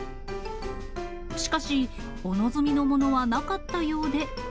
しかし、お望みのものはなかったようで。